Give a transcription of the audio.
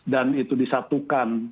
dan itu disatukan